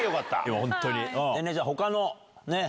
じゃあ他の。